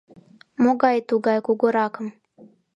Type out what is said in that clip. — Могай тугай кугуракым?